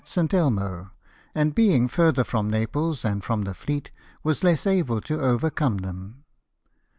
193 at St. Elmo, and being farther from Naples and from the fleet was less able to overcome them.